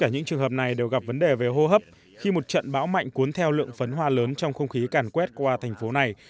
nói về hô hấp khi một trận bão mạnh cuốn theo lượng phấn hoa lớn trong không khí càn quét qua thành phố này